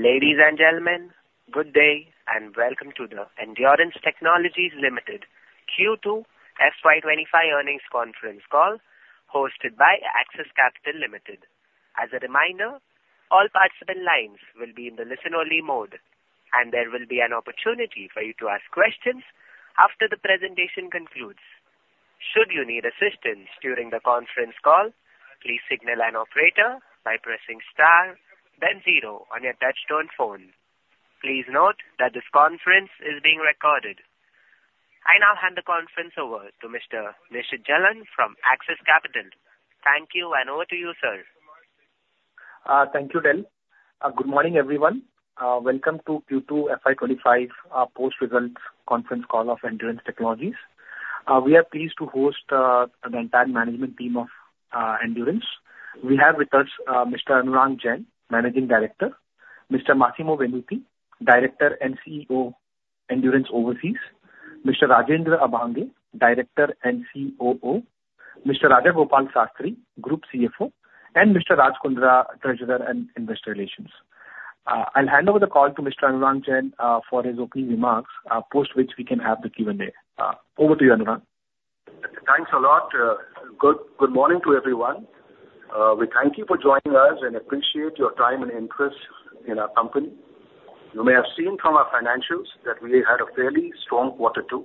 Ladies and gentlemen, good day and welcome to the Endurance Technologies Limited Q2 FY 2025 Earnings Conference call hosted by Axis Capital Limited. As a reminder, all participant lines will be in the listen-only mode, and there will be an opportunity for you to ask questions after the presentation concludes. Should you need assistance during the conference call, please signal an operator by pressing star, then zero on your touch-tone phone. Please note that this conference is being recorded. I now hand the conference over to Mr. Nishit Jalan from Axis Capital. Thank you, and over to you, sir. Thank you, Del. Good morning, everyone. Welcome to Q2 FY 2025 post-results conference call of Endurance Technologies. We are pleased to host the entire management team of Endurance. We have with us Mr. Anurang Jain, Managing Director, Mr. Massimo Venuti, Director and CEO, Endurance Overseas, Mr. Rajendra Abhange, Director and COO, Mr. Rajagopalan Sastry, Group CFO, and Mr. Raj Mundra, Treasurer and Investor Relations. I'll hand over the call to Mr. Anurang Jain for his opening remarks, post which we can have the Q&A. Over to you, Anurang. Thanks a lot. Good morning to everyone. We thank you for joining us and appreciate your time and interest in our company. You may have seen from our financials that we had a fairly strong quarter two.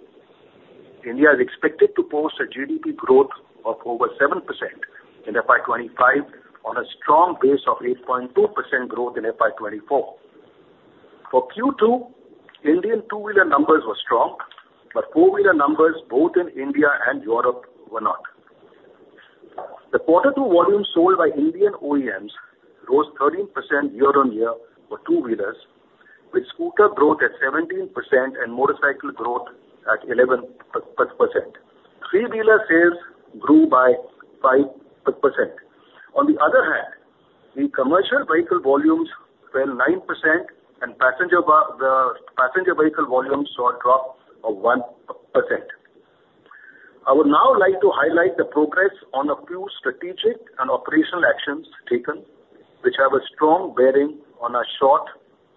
India is expected to post a GDP growth of over 7% in FY 2025, on a strong base of 8.2% growth in FY 2024. For Q2, Indian two-wheeler numbers were strong, but four-wheeler numbers both in India and Europe were not. The quarter two volume sold by Indian OEMs rose 13% year-on-year for two-wheelers, with scooter growth at 17% and motorcycle growth at 11%. Three-wheeler sales grew by 5%. On the other hand, the commercial vehicle volumes fell 9%, and passenger vehicle volumes saw a drop of 1%. I would now like to highlight the progress on a few strategic and operational actions taken, which have a strong bearing on our short,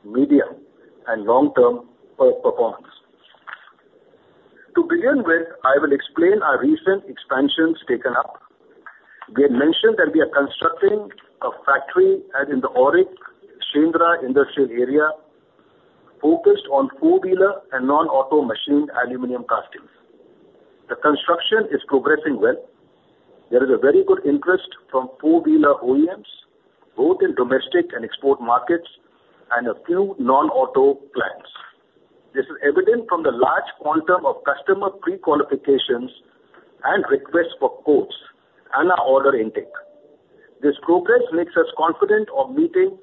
medium, and long-term performance. To begin with, I will explain our recent expansions taken up. We had mentioned that we are constructing a factory in the AURIC-Shendra industrial area, focused on four-wheeler and non-auto machined aluminum castings. The construction is progressing well. There is a very good interest from four-wheeler OEMs, both in domestic and export markets, and a few non-auto plants. This is evident from the large quantum of customer pre-qualifications and requests for quotes and our order intake. This progress makes us confident of meeting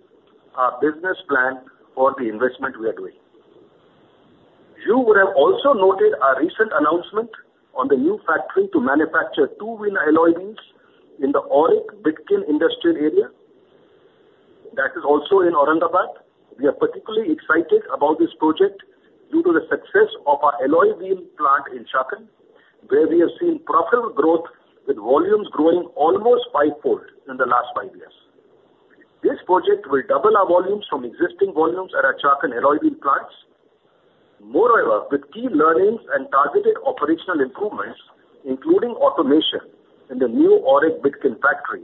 our business plan for the investment we are doing. You would have also noted our recent announcement on the new factory to manufacture two-wheeler alloy wheels in the AURIC-Bidkin industrial area. That is also in Aurangabad. We are particularly excited about this project due to the success of our alloy wheel plant in Chakan, where we have seen profitable growth with volumes growing almost fivefold in the last five years. This project will double our volumes from existing volumes at our Chakan alloy wheel plants. Moreover, with key learnings and targeted operational improvements, including automation in the new AURIC-Bidkin factory,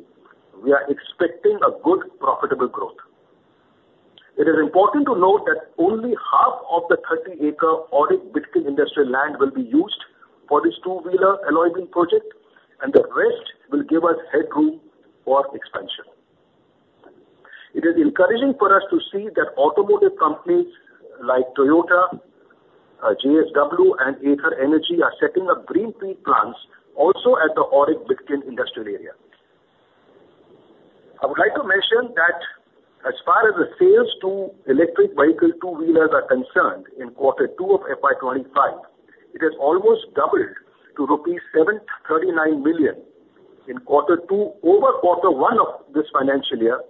we are expecting a good profitable growth. It is important to note that only half of the 30-acre AURIC-Bidkin industrial land will be used for this two-wheeler alloy wheel project, and the rest will give us headroom for expansion. It is encouraging for us to see that automotive companies like Toyota, JSW, and Ather Energy are setting up greenfield plants also at the AURIC-Bidkin industrial area. I would like to mention that as far as the sales to electric vehicle two-wheelers are concerned in quarter two of FY 2025, it has almost doubled to rupees 739 million in quarter two over quarter one of this financial year,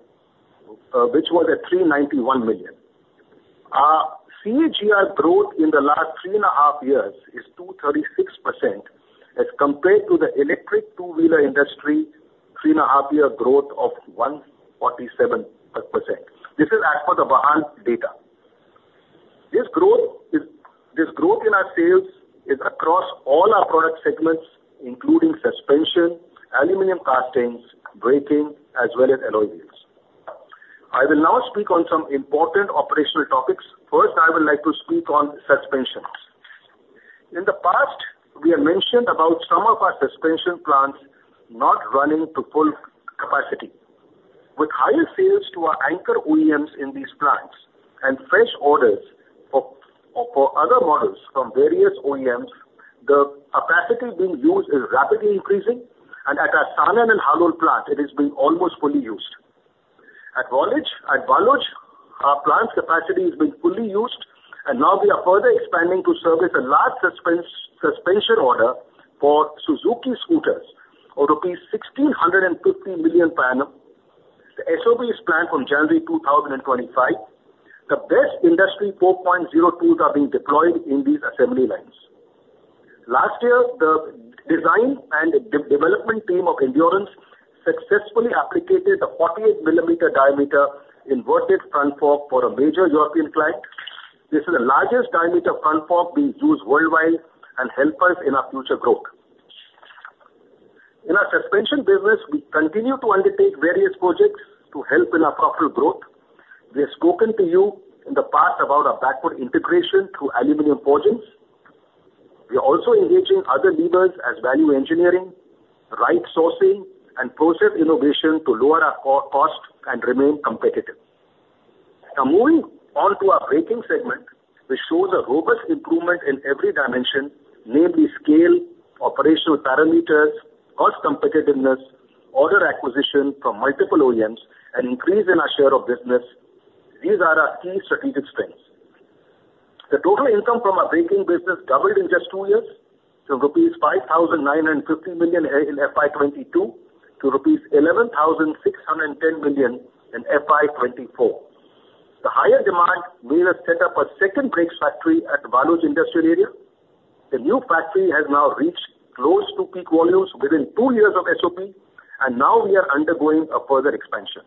which was at 391 million. Our CAGR growth in the last three and a half years is 236% as compared to the electric two-wheeler industry three and a half year growth of 147%. This is as per the Vahan data. This growth in our sales is across all our product segments, including suspension, aluminum castings, braking, as well as alloy wheels. I will now speak on some important operational topics. First, I would like to speak on suspensions. In the past, we had mentioned about some of our suspension plants not running to full capacity. With higher sales to our anchor OEMs in these plants and fresh orders for other models from various OEMs, the capacity being used is rapidly increasing, and at our Sanand and Halol plant, it is being almost fully used. At Waluj, our plant's capacity has been fully used, and now we are further expanding to service a large suspension order for Suzuki scooters for rupees 1,650 million per annum. The SOP is planned from January 2025. The best Industry 4.0 tools are being deployed in these assembly lines. Last year, the design and development team of Endurance successfully developed a 48-millimeter diameter inverted front fork for a major European client. This is the largest diameter front fork being used worldwide and help us in our future growth. In our suspension business, we continue to undertake various projects to help in our profitable growth. We have spoken to you in the past about our backward integration through aluminum forging. We are also engaging other levers as value engineering, right sourcing, and process innovation to lower our cost and remain competitive. Now, moving on to our braking segment, which shows a robust improvement in every dimension, namely scale, operational parameters, cost competitiveness, order acquisition from multiple OEMs, and increase in our share of business. These are our key strategic strengths. The total income from our braking business doubled in just two years from rupees 5,950 million in FY 2022 to rupees 11,610 million in FY 2024. The higher demand made us set up a second brakes factory at Waluj Industrial Area. The new factory has now reached close to peak volumes within two years of SOP, and now we are undergoing a further expansion.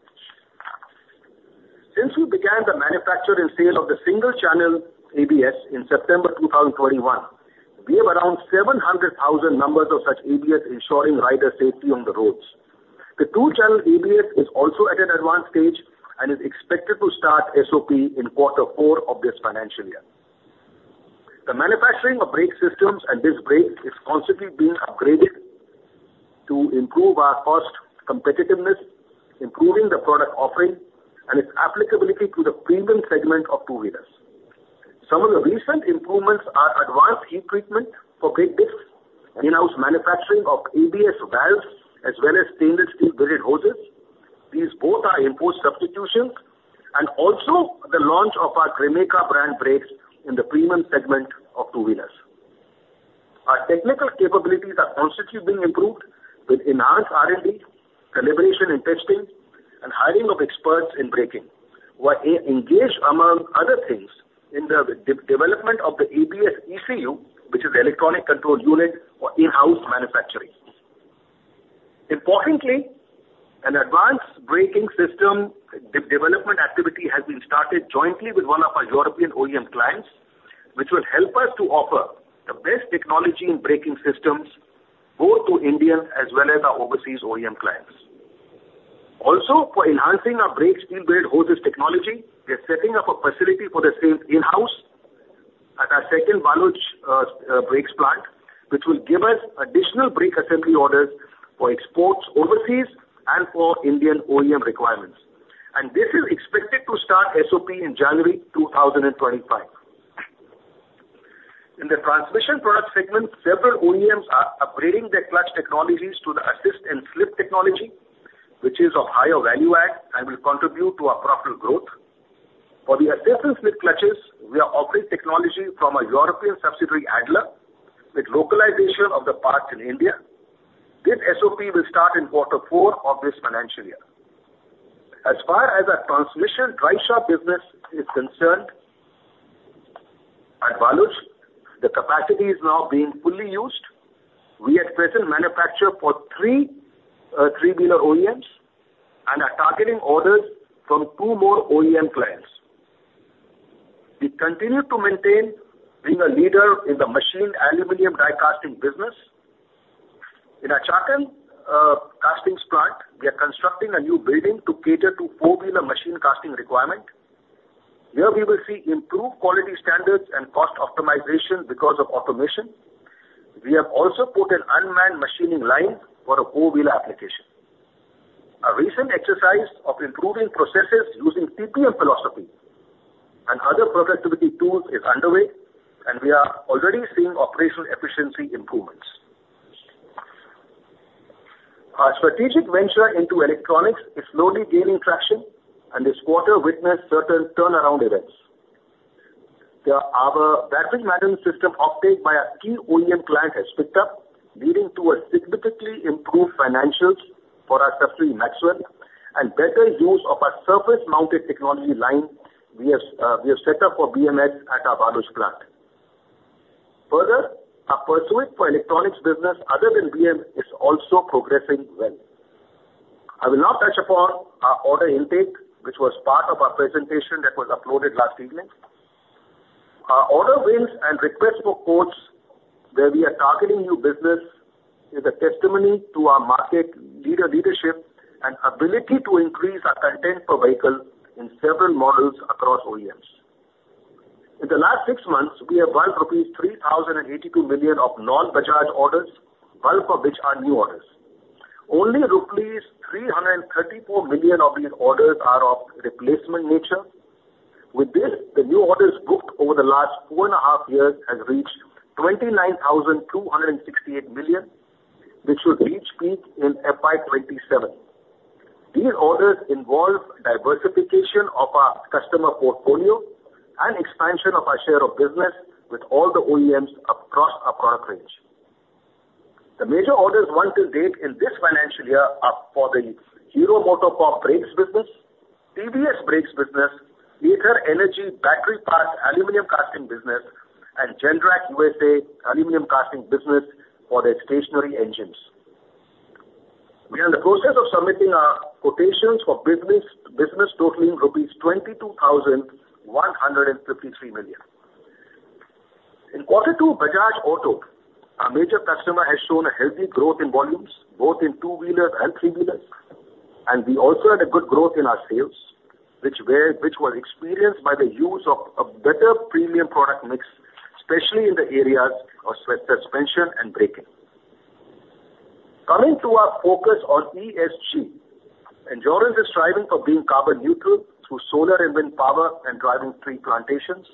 Since we began the manufacture and sale of the single-channel ABS in September 2021, we have around 700,000 numbers of such ABS ensuring rider safety on the roads. The two-channel ABS is also at an advanced stage and is expected to start SOP in quarter four of this financial year. The manufacturing of brake systems and disc brakes is constantly being upgraded to improve our cost competitiveness, improving the product offering, and its applicability to the premium segment of two-wheelers. Some of the recent improvements are advanced heat treatment for brake discs, in-house manufacturing of ABS valves, as well as stainless steel-braided hoses. These both are in-house substitutions, and also the launch of our Grimeca brand brakes in the premium segment of two-wheelers. Our technical capabilities are constantly being improved with enhanced R&D, collaboration in testing, and hiring of experts in braking, who are engaged, among other things, in the development of the ABS ECU, which is the electronic control unit for in-house manufacturing. Importantly, an advanced braking system development activity has been started jointly with one of our European OEM clients, which will help us to offer the best technology in braking systems both to Indian as well as our overseas OEM clients. Also, for enhancing our brake steel-braided hoses technology, we are setting up a facility for the same in-house at our second Waluj brakes plant, which will give us additional brake assembly orders for exports overseas and for Indian OEM requirements. And this is expected to start SOP in January 2025. In the transmission product segment, several OEMs are upgrading their clutch technologies to the assist and slip technology, which is of higher value add and will contribute to our profitable growth. For the assist and slip clutches, we are offering technology from a European subsidiary Adler, with localization of the parts in India. This SOP will start in quarter four of this financial year. As far as our transmission driveshaft business is concerned at Waluj, the capacity is now being fully used. We at present manufacture for three three-wheeler OEMs and are targeting orders from two more OEM clients. We continue to maintain being a leader in the machined aluminum die casting business. In our Chakan castings plant, we are constructing a new building to cater to four-wheeler machine casting requirement. Here we will see improved quality standards and cost optimization because of automation. We have also put an unmanned machining line for a four-wheeler application. A recent exercise of improving processes using TPM philosophy and other productivity tools is underway, and we are already seeing operational efficiency improvements. Our strategic venture into electronics is slowly gaining traction, and this quarter witnessed certain turnaround events. Our battery management system uptake by a key OEM client has picked up, leading to significantly improved financials for our subsidiary Maxwell and better use of our surface-mounted technology line we have set up for BMS at our Waluj plant. Further, our pursuit for electronics business other than BMS is also progressing well. I will now touch upon our order intake, which was part of our presentation that was uploaded last evening. Our order wins and requests for quotes where we are targeting new business is a testimony to our market leadership and ability to increase our content per vehicle in several models across OEMs. In the last six months, we have valued rupees 3,082 million of non-Bajaj orders, bulk of which are new orders. Only rupees 334 million of these orders are of replacement nature. With this, the new orders booked over the last four and a half years have reached 29,268 million, which should reach peak in FY 2027. These orders involve diversification of our customer portfolio and expansion of our share of business with all the OEMs across our product range. The major orders run till date in this financial year are for the Hero MotoCorp brakes business, TVS brakes business, Ather Energy battery parts aluminum casting business, and Generac USA aluminum casting business for their stationary engines. We are in the process of submitting our quotations for business totaling rupees 22,153 million. In quarter two, Bajaj Auto, our major customer, has shown a healthy growth in volumes, both in two-wheelers and three-wheelers, and we also had a good growth in our sales, which was experienced by the use of a better premium product mix, especially in the areas of suspension and braking. Coming to our focus on ESG, Endurance is striving for being carbon neutral through solar and wind power and driving tree plantations.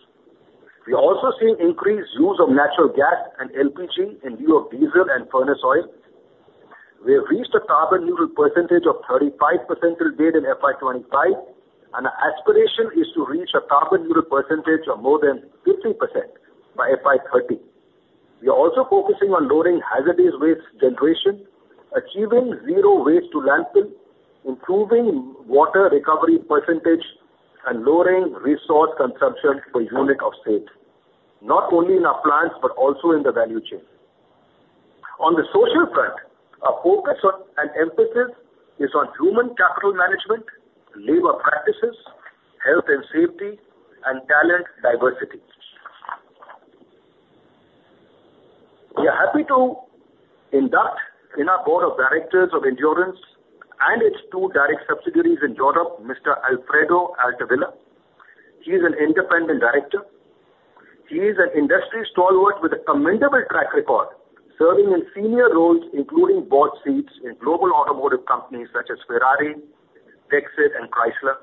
We are also seeing increased use of natural gas and LPG in lieu of diesel and furnace oil. We have reached a carbon neutral percentage of 35% till date in FY 2025, and our aspiration is to reach a carbon neutral percentage of more than 50% by FY 2030. We are also focusing on lowering hazardous waste generation, achieving zero waste to landfill, improving water recovery percentage, and lowering resource consumption per unit of sale, not only in our plants but also in the value chain. On the social front, our focus and emphasis is on human capital management, labor practices, health and safety, and talent diversity. We are happy to induct in our board of directors of Endurance and its two direct subsidiaries in Europe, Mr. Alfredo Altavilla. He is an independent director. He is an industry stalwart with a commendable track record, serving in senior roles, including board seats in global automotive companies such as Ferrari, Texa, and Chrysler.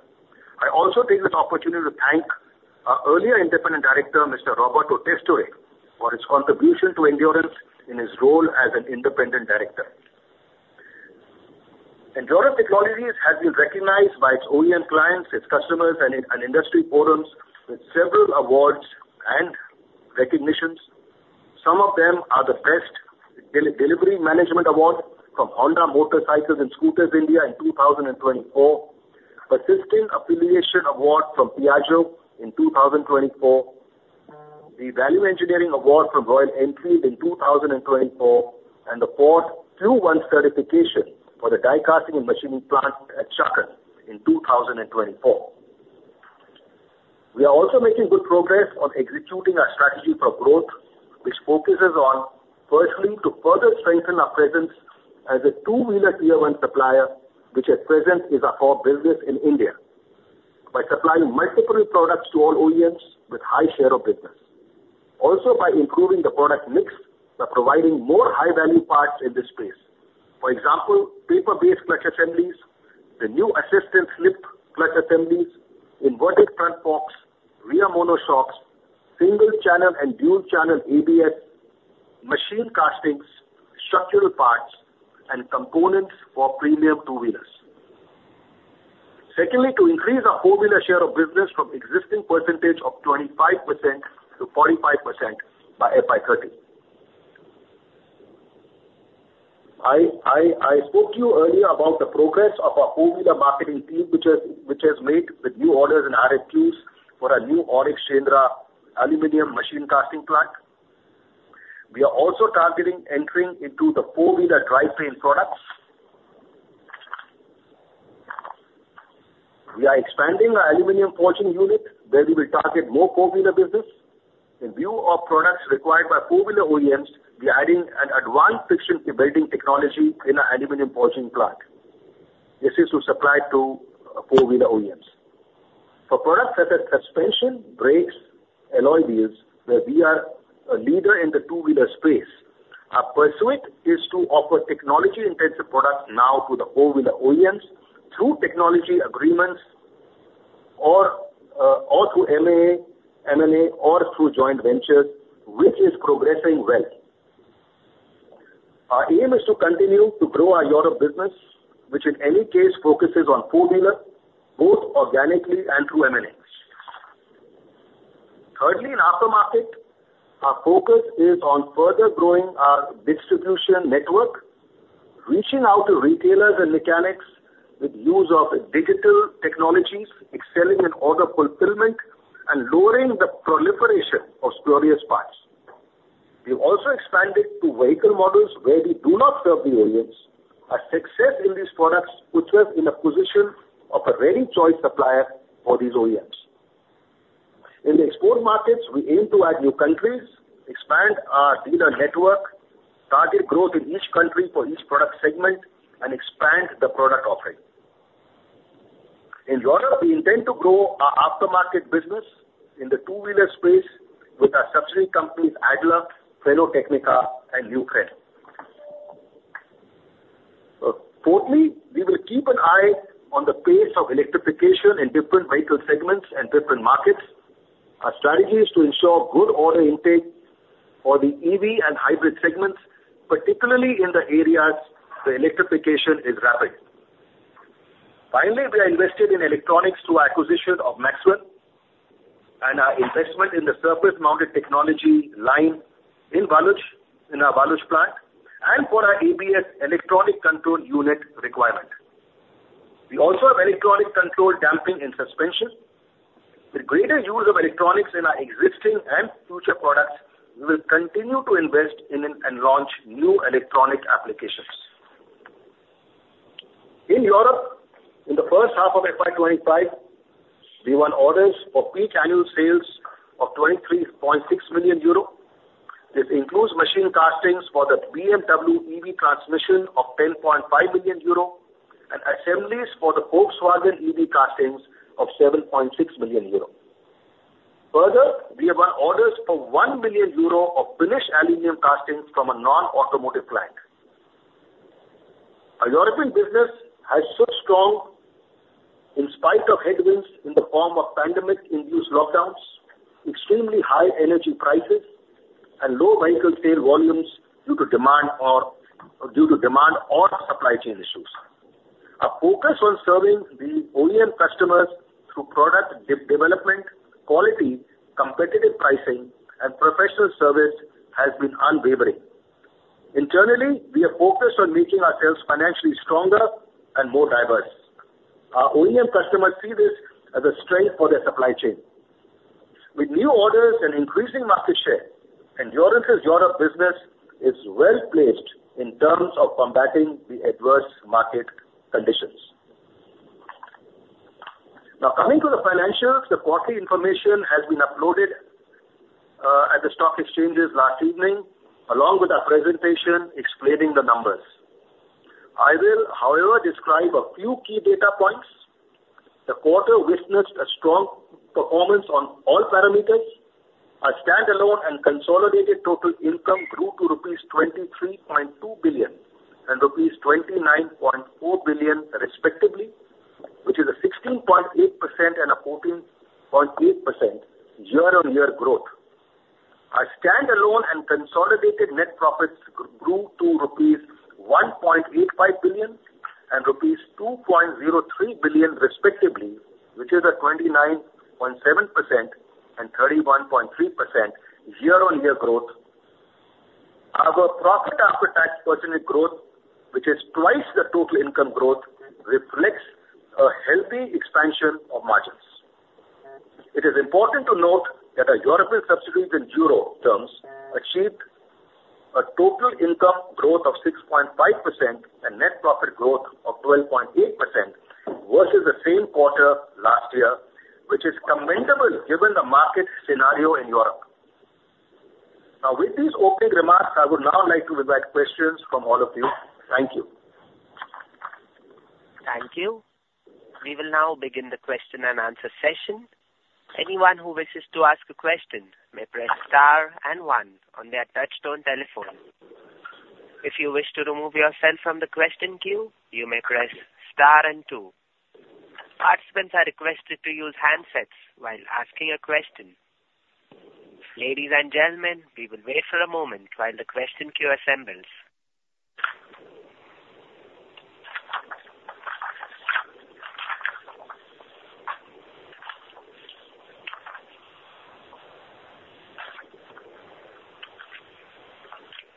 I also take this opportunity to thank our earlier independent director, Mr. Roberto Testore, for his contribution to Endurance in his role as an independent director. Endurance Technologies has been recognized by its OEM clients, its customers, and industry forums with several awards and recognitions. Some of them are the Best Delivery Management Award from Honda Motorcycle and Scooter India in 2024, Persistent Affiliation Award from Piaggio in 2024, the Value Engineering Award from Royal Enfield in 2024, and the Ford Q1 certification for the die casting and machining plant at Chakan in 2024. We are also making good progress on executing our strategy for growth, which focuses on firstly to further strengthen our presence as a two-wheeler tier one supplier, which at present is our core business in India, by supplying multiple products to all OEMs with high share of business. Also, by improving the product mix, we are providing more high-value parts in this space. For example, paper-based clutch assemblies, the new assist and slip clutch assemblies, inverted front forks, rear monoshocks, single-channel and dual-channel ABS, machined castings, structural parts, and components for premium two-wheelers. Secondly, to increase our four-wheeler share of business from existing percentage of 25%-45% by FY 2030. I spoke to you earlier about the progress of our four-wheeler marketing team, which has made the new orders and added queues for our new AURIC-Shendra aluminum machine casting plant. We are also targeting entering into the four-wheeler drivetrain products. We are expanding our aluminum forging unit, where we will target more four-wheeler business. In view of products required by four-wheeler OEMs, we are adding an advanced friction welding technology in our aluminum forging plant. This is to supply to four-wheeler OEMs. For products such as suspension, brakes, alloy wheels, where we are a leader in the two-wheeler space, our pursuit is to offer technology-intensive products now to the four-wheeler OEMs through technology agreements or through M&A or through joint ventures, which is progressing well. Our aim is to continue to grow our Europe business, which in any case focuses on four-wheeler, both organically and through M&A. Thirdly, in aftermarket, our focus is on further growing our distribution network, reaching out to retailers and mechanics with use of digital technologies, excelling in order fulfillment, and lowering the proliferation of spurious parts. We have also expanded to vehicle models where we do not serve the OEMs. Our success in these products puts us in a position of a ready choice supplier for these OEMs. In the export markets, we aim to add new countries, expand our dealer network, target growth in each country for each product segment, and expand the product offering. In Europe, we intend to grow our aftermarket business in the two-wheeler space with our subsidiary companies, Adler, Frenotecnica, and Newfren. Fourthly, we will keep an eye on the pace of electrification in different vehicle segments and different markets. Our strategy is to ensure good order intake for the EV and hybrid segments, particularly in the areas where electrification is rapid. Finally, we are invested in electronics through acquisition of Maxwell and our investment in the surface mount technology line in Waluj in our Waluj plant and for our ABS electronic control unit requirement. We also have electronic control damping and suspension. With greater use of electronics in our existing and future products, we will continue to invest in and launch new electronic applications. In Europe, in the first half of FY 2025, we won orders for peak annual sales of 23.6 million euro. This includes machine castings for the BMW EV transmission of 10.5 million euro and assemblies for the Volkswagen EV castings of 7.6 million euro. Further, we have won orders for 1 million euro of finished aluminum castings from a non-automotive client. Our European business has stood strong in spite of headwinds in the form of pandemic-induced lockdowns, extremely high energy prices, and low vehicle sale volumes due to demand or supply chain issues. Our focus on serving the OEM customers through product development, quality, competitive pricing, and professional service has been unwavering. Internally, we are focused on making ourselves financially stronger and more diverse. Our OEM customers see this as a strength for their supply chain. With new orders and increasing market share, Endurance's Europe business is well placed in terms of combating the adverse market conditions. Now, coming to the financials, the quarterly information has been uploaded at the stock exchanges last evening, along with our presentation explaining the numbers. I will, however, describe a few key data points. The quarter witnessed a strong performance on all parameters. Our standalone and consolidated total income grew to rupees 23.2 billion and rupees 29.4 billion, respectively, which is a 16.8% and a 14.8% year-on-year growth. Our standalone and consolidated net profits grew to rupees 1.85 billion and rupees 2.03 billion, respectively, which is a 29.7% and 31.3% year-on-year growth. Our profit after tax percentage growth, which is twice the total income growth, reflects a healthy expansion of margins. It is important to note that our European subsidiaries in euro terms achieved a total income growth of 6.5% and net profit growth of 12.8% versus the same quarter last year, which is commendable given the market scenario in Europe. Now, with these opening remarks, I would now like to invite questions from all of you. Thank you. Thank you. We will now begin the question and answer session. Anyone who wishes to ask a question may press star and one on their touch-tone telephone. If you wish to remove yourself from the question queue, you may press star and two. Participants are requested to use handsets while asking a question. Ladies and gentlemen, we will wait for a moment while the question queue assembles.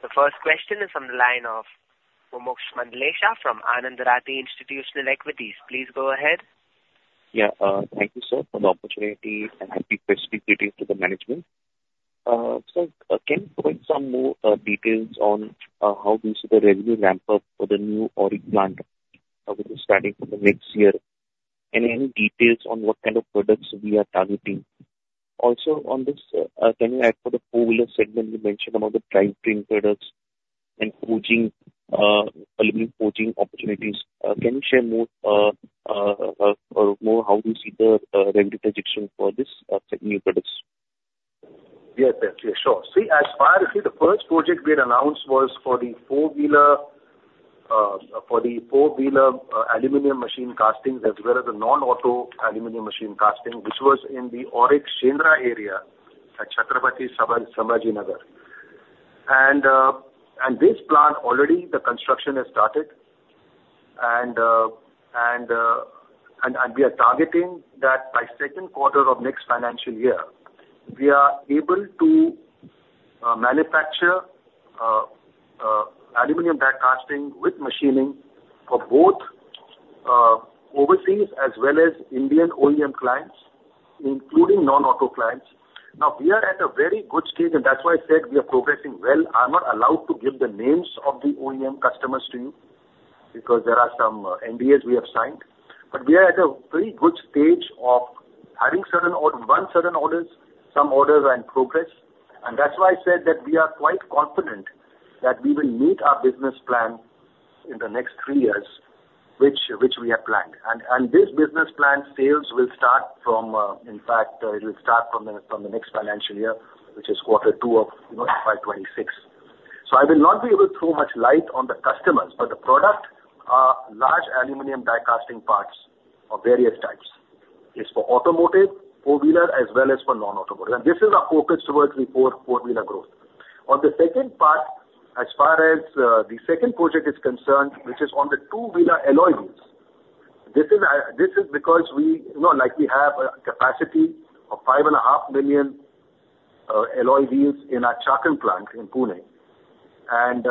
The first question is from the line of Mumuksh Mandlesha from Anand Rathi Institutional Equities. Please go ahead. Yeah, thank you, sir, for the opportunity and happy Christmas to the management. Sir, can you provide some more details on how do you see the revenue ramp up for the new AURIC plant with the starting from the next year? And any details on what kind of products we are targeting? Also, on this, can you add for the four-wheeler segment you mentioned about the drivetrain products and forging aluminum forging opportunities? Can you share more on how do you see the revenue transition for these new products? Yes, definitely. Sure. See, as far as the first project we had announced was for the four-wheeler aluminum machine castings as well as the non-auto aluminum machine casting, which was in the AURIC-Shendra area at Chhatrapati Sambhajinagar. And this plant, already the construction has started. We are targeting that by second quarter of next financial year, we are able to manufacture aluminum die casting with machining for both overseas as well as Indian OEM clients, including non-auto clients. Now, we are at a very good stage, and that's why I said we are progressing well. I'm not allowed to give the names of the OEM customers to you because there are some NDAs we have signed. But we are at a very good stage of having one certain orders, some orders, and progress. And that's why I said that we are quite confident that we will meet our business plan in the next three years, which we have planned. And this business plan sales will start from, in fact, it will start from the next financial year, which is quarter two of FY 2026. So I will not be able to throw much light on the customers, but the product, large aluminum die casting parts of various types, is for automotive, four-wheeler, as well as for non-automotive. And this is our focus towards the four-wheeler growth. On the second part, as far as the second project is concerned, which is on the two-wheeler alloy wheels, this is because we have a capacity of 5.5 million alloy wheels in our Chakan plant in Pune. And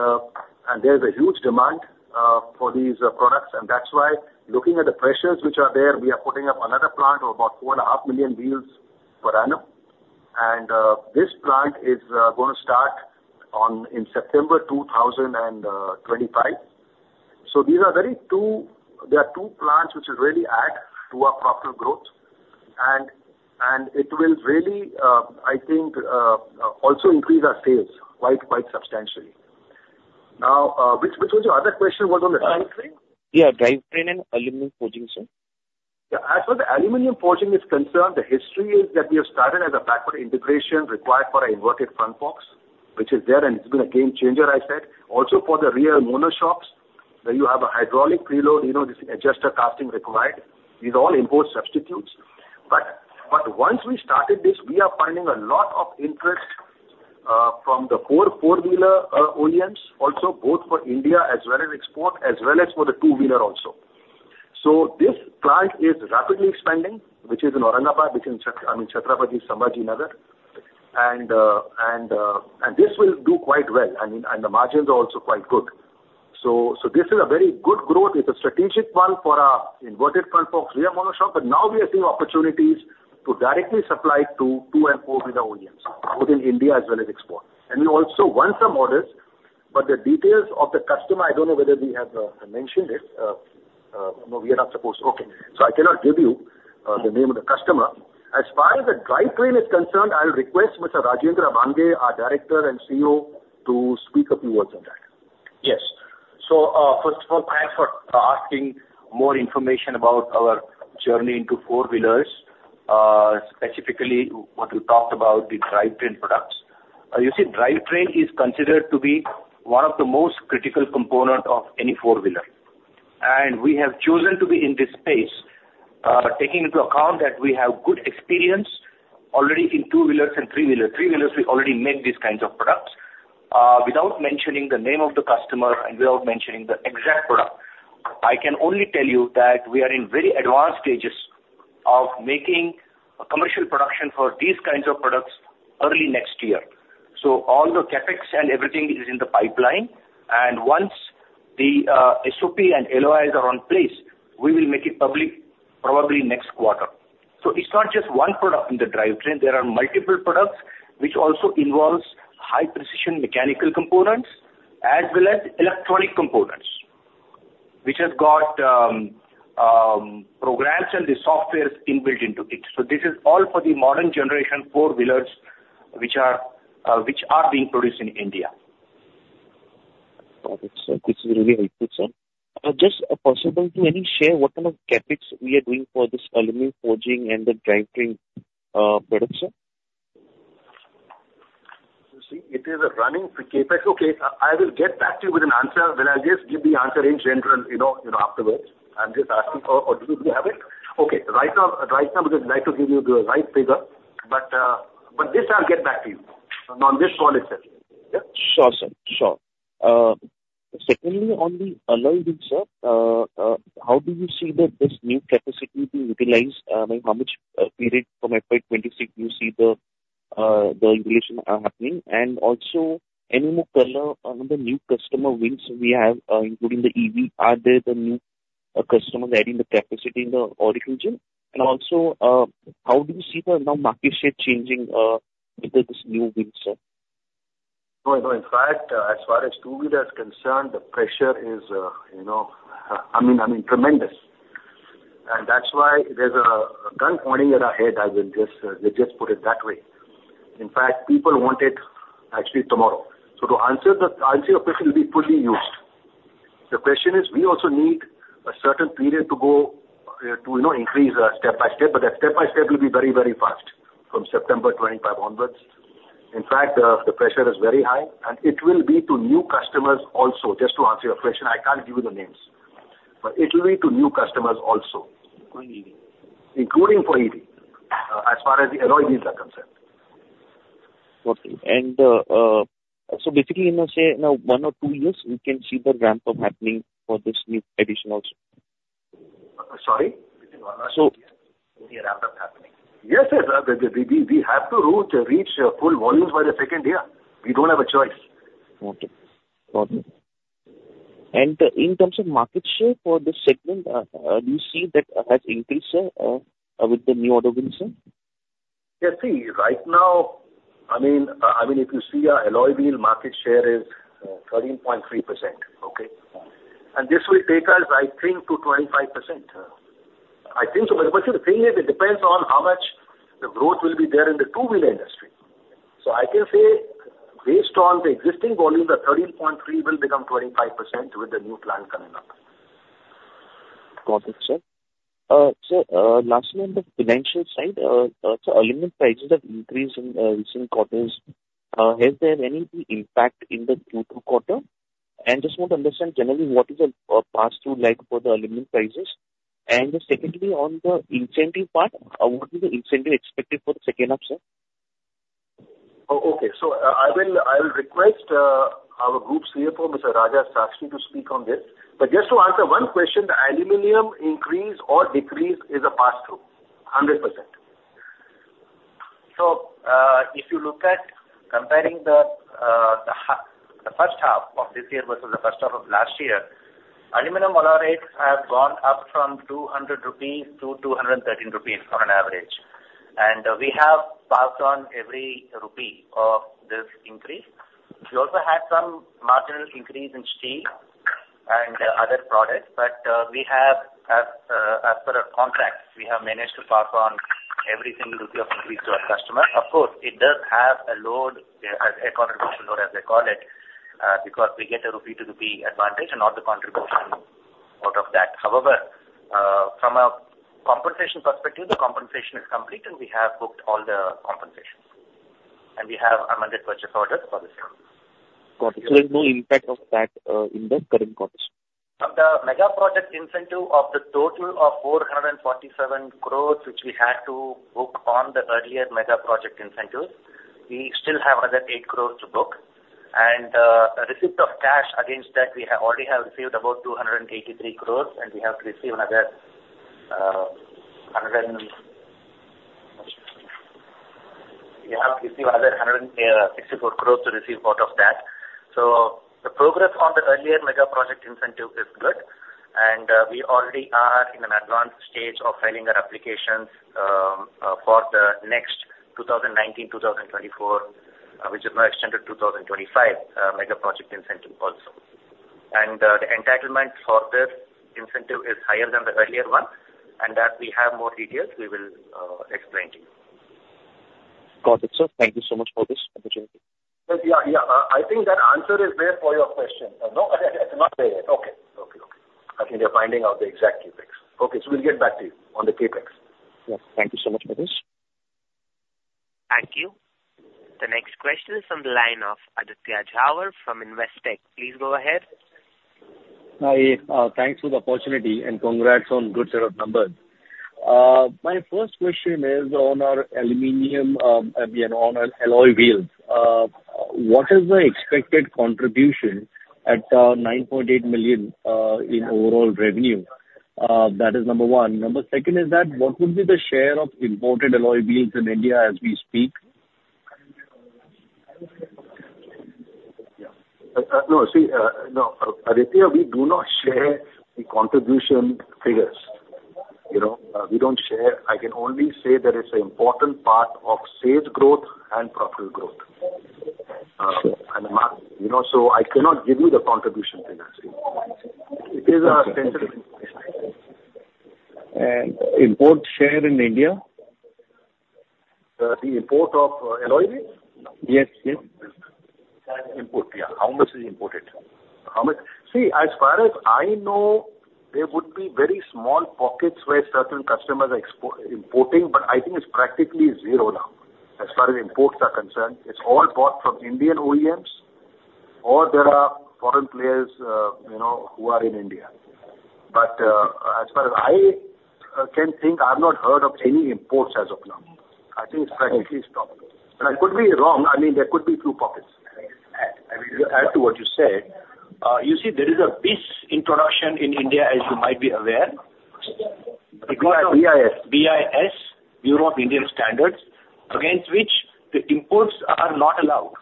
there's a huge demand for these products. And that's why, looking at the pressures which are there, we are putting up another plant of about 4.5 million wheels per annum. And this plant is going to start in September 2025. So these are two plants which will really add to our proper growth. And it will really, I think, also increase our sales quite substantially. Now, which was your other question was on the drivetrain? Yeah, drivetrain and aluminum forging, sir. Yeah, as far as the aluminum forging is concerned, the history is that we have started as a backward integration required for our inverted front forks, which is there, and it's been a game changer, I said. Also for the rear monoshocks, where you have a hydraulic preload, this adjuster casting required. These are all import substitutes. But once we started this, we are finding a lot of interest from the four-wheeler OEMs, also both for India as well as export, as well as for the two-wheeler also. So this plant is rapidly expanding, which is in Aurangabad, which is, I mean, Chhatrapati Sambhajinagar. This will do quite well. I mean, and the margins are also quite good. This is a very good growth. It's a strategic one for our inverted front forks, rear monoshocks. But now we are seeing opportunities to directly supply to two- and four-wheeler OEMs both in India as well as export. And we also won some orders, but the details of the customer, I don't know whether we have mentioned it. No, we are not supposed to. Okay. So I cannot give you the name of the customer. As far as the drivetrain is concerned, I'll request Mr. Rajendra Abhange, our director and COO, to speak a few words on that. Yes. So first of all, thanks for asking more information about our journey into four-wheelers, specifically what you talked about, the drivetrain products. You see, drivetrain is considered to be one of the most critical components of any four-wheeler. We have chosen to be in this space, taking into account that we have good experience already in two-wheelers and three-wheelers. Three-wheelers, we already make these kinds of products. Without mentioning the name of the customer and without mentioning the exact product, I can only tell you that we are in very advanced stages of making commercial production for these kinds of products early next year. All the CapEx and everything is in the pipeline. And once the SOP and LOIs are in place, we will make it public probably next quarter. It's not just one product in the drivetrain. There are multiple products, which also involves high-precision mechanical components as well as electronic components, which have got programs and the software inbuilt into it. This is all for the modern generation four-wheelers, which are being produced in India. Perfect, sir. This is really helpful, sir. Is it possible to share what kind of CapEx we are doing for this aluminum forging and the drivetrain products, sir? You see, it is a running CapEx. Okay, I will get back to you with an answer. Will I just give the answer in general afterwards? I'm just asking or do you have it? Okay. Right now, because I'd like to give you the right figure, but this I'll get back to you on this call itself. Yeah? Sure, sir. Sure. Secondly, on the alloy wheels, sir, how do you see that this new capacity being utilized? I mean, how much period from FY 2026 do you see the utilization happening? And also, any more color on the new customer wheels we have, including the EV? Are there the new customers adding the capacity in the AURIC region? Also, how do you see the new market share changing with this new wheels, sir? No, no. In fact, as far as two-wheelers concerned, the pressure is, I mean, tremendous. That's why there's a gun pointing at our head. I will just put it that way. In fact, people want it actually tomorrow. So to answer your question, it will be fully used. The question is, we also need a certain period to go to increase step by step, but that step by step will be very, very fast from September 25 onwards. In fact, the pressure is very high, and it will be to new customers also. Just to answer your question, I can't give you the names, but it will be to new customers also, including for EV, as far as the alloy wheels are concerned. Okay. And so basically, in, say, the next one or two years, we can see the ramp up happening for this new addition also? Sorry? So we have ramp up happening. Yes, yes. We have to reach full volumes by the second year. We don't have a choice. Okay. Got it. And in terms of market share for the segment, do you see that has increased with the new alloy wheels, sir? Yeah, see, right now, I mean, if you see our alloy wheel market share is 13.3%, okay? And this will take us, I think, to 25%. I think so. But the thing is, it depends on how much the growth will be there in the two-wheeler industry. So I can say, based on the existing volume, the 13.3% will become 25% with the new plant coming up. Got it, sir. Sir, lastly, on the financial side, aluminum prices have increased in recent quarters. Has there any impact in the Q2 quarter? And just want to understand generally what is a pass-through like for the aluminum prices. And secondly, on the incentive part, what is the incentive expected for the second half, sir? Okay. So I will request our Group CFO, Mr. Rajagopalan Sastry, to speak on this. But just to answer one question, the aluminum increase or decrease is a pass-through, 100%. So if you look at comparing the first half of this year versus the first half of last year, aluminum alloy rates have gone up from 200-213 rupees on an average. And we have passed on every rupee of this increase. We also had some marginal increase in steel and other products, but we have, as per our contracts, we have managed to pass on every single rupee of increase to our customers. Of course, it does have a load, a contribution load, as they call it, because we get a rupee-to-rupee advantage and all the contribution out of that. However, from a compensation perspective, the compensation is complete, and we have booked all the compensations. And we have amended purchase orders for this year. Got it. So there's no impact of that in the current quarter? Of the Mega Project Incentive of the total of 447 crore, which we had to book on the earlier Mega Project Incentives, we still have another 8 crore to book. Received of cash against that, we already have received about 283 crores, and we have to receive another 164 crores to receive out of that. The progress on the earlier mega project incentive is good, and we already are in an advanced stage of filing our applications for the next 2019-2024, which is now extended 2025 mega project incentive also. The entitlement for this incentive is higher than the earlier one. As we have more details, we will explain to you. Got it, sir. Thank you so much for this opportunity. Yeah, yeah. I think that answer is there for your question. No, it's not there. Okay, okay, okay. I think they're finding out the exact CapEx. Okay, we'll get back to you on the CapEx. Yes. Thank you so much for this. Thank you. The next question is from the line of Aditya Jhawar from Investec. Please go ahead. Hi. Thanks for the opportunity and congrats on good set of numbers. My first question is on our aluminum and on our alloy wheels. What is the expected contribution at 9.8 million in overall revenue? That is number one. Number second is that what would be the share of imported alloy wheels in India as we speak? No, see, no. Aditya, we do not share the contribution figures. We don't share. I can only say that it's an important part of sales growth and profit growth. And so I cannot give you the contribution figures. It is a sensitive information. And import share in India? The import of alloy wheels? Yes, yes. Import, yeah. How much is imported? How much? See, as far as I know, there would be very small pockets where certain customers are importing, but I think it's practically zero now as far as imports are concerned. It's all bought from Indian OEMs or there are foreign players who are in India. But as far as I can think, I've not heard of any imports as of now. I think it's practically stopped, and I could be wrong. I mean, there could be few pockets. I mean, to add to what you said, you see, there is a BIS introduction in India, as you might be aware. BIS? BIS. BIS, Bureau of Indian Standards, against which the imports are not allowed.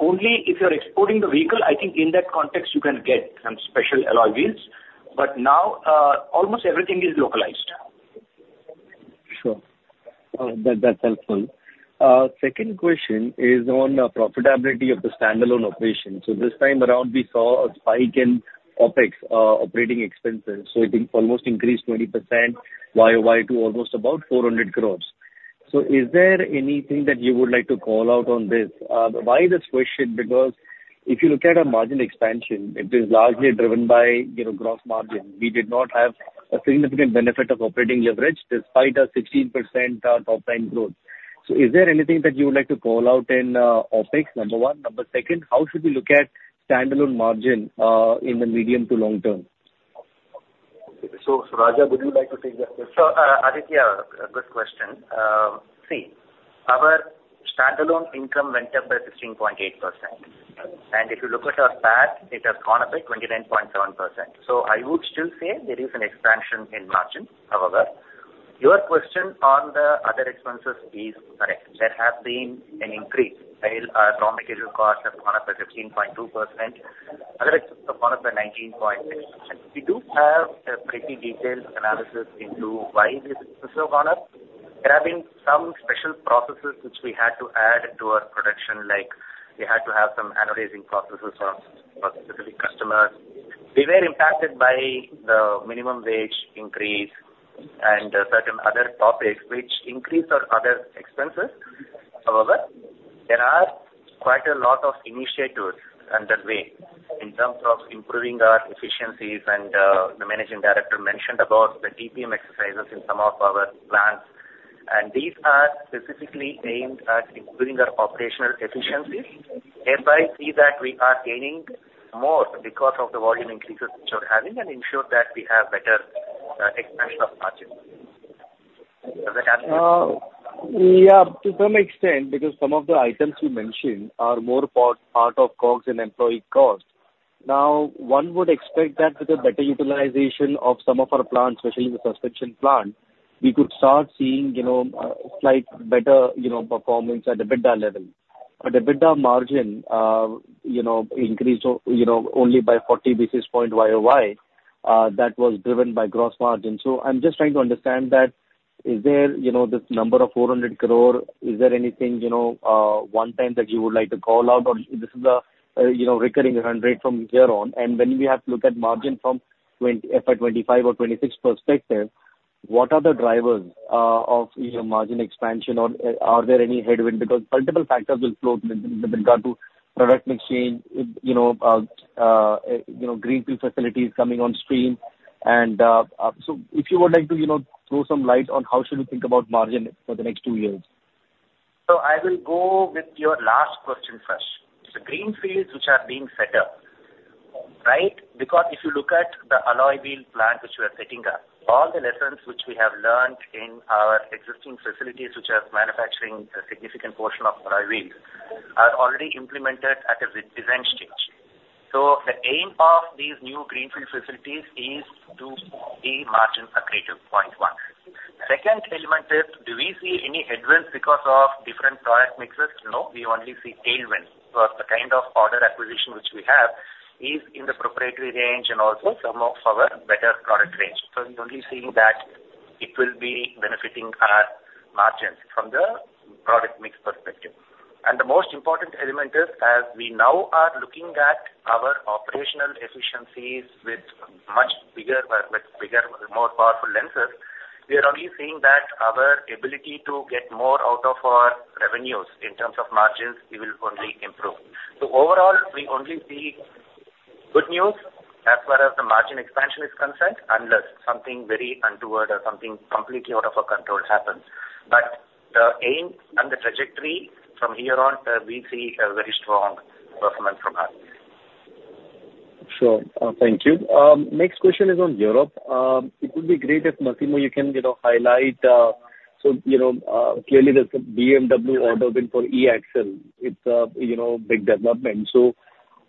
Only if you're exporting the vehicle, I think in that context, you can get some special alloy wheels. But now, almost everything is localized. Sure. That's helpful. Second question is on the profitability of the standalone operation. So this time around, we saw a spike in OpEx, operating expenses. So it almost increased 20% YoY to almost about 400 crores. So is there anything that you would like to call out on this? Why this question? Because if you look at our margin expansion, it is largely driven by gross margin. We did not have a significant benefit of operating leverage despite our 16% top-line growth. So is there anything that you would like to call out in OpEx, number one? Number second, how should we look at standalone margin in the medium to long term? So Raja, would you like to take that question? So Aditya, good question. See, our standalone income went up by 16.8%. And if you look at our PAT, it has gone up by 29.7%. So I would still say there is an expansion in margin, however. Your question on the other expenses is correct. There has been an increase. Raw material costs have gone up by 15.2%. Other expenses have gone up by 19.6%. We do have a pretty detailed analysis into why this has gone up. There have been some special processes which we had to add to our production, like we had to have some anodizing processes for specific customers. We were impacted by the minimum wage increase and certain other topics which increased our other expenses. However, there are quite a lot of initiatives underway in terms of improving our efficiencies, and the Managing Director mentioned about the TPM exercises in some of our plants. These are specifically aimed at improving our operational efficiencies, whereby we see that we are gaining more because of the volume increases which we are having and ensure that we have better expansion of margin. Does that answer your question? Yeah, to some extent, because some of the items you mentioned are more part of COGS and employee cost. Now, one would expect that with a better utilization of some of our plants, especially the suspension plant, we could start seeing slightly better performance at the EBITDA level. But the EBITDA margin increased only by 40 basis points YoY. That was driven by gross margin. So I'm just trying to understand that is there this number of 400 crore? Is there anything one-time that you would like to call out? Or this is a recurring run rate from here on. When we have to look at margin from FY 2025 or 2026 perspective, what are the drivers of margin expansion? Or are there any headwinds? Because multiple factors will flow with regard to production exchange, greenfield facilities coming on stream. If you would like to throw some light on how should we think about margin for the next two years. I will go with your last question first. The greenfields which are being set up, right? Because if you look at the alloy wheel plant which we are setting up, all the lessons which we have learned in our existing facilities, which are manufacturing a significant portion of alloy wheels, are already implemented at a design stage. The aim of these new Greenfield facilities is to be margin accretive, point one. Second element is, do we see any headwinds because of different product mixes? No, we only see tailwinds because the kind of order acquisition which we have is in the proprietary range and also some of our better product range. So we only see that it will be benefiting our margins from the product mix perspective. And the most important element is, as we now are looking at our operational efficiencies with much bigger, more powerful lenses, we are only seeing that our ability to get more out of our revenues in terms of margins will only improve. So overall, we only see good news as far as the margin expansion is concerned, unless something very untoward or something completely out of our control happens. But the aim and the trajectory from here on, we see a very strong performance from us. Sure. Thank you. Next question is on Europe. It would be great if, Massimo, you can highlight. So clearly, there's a BMW auto win for E-Axle. It's a big development. So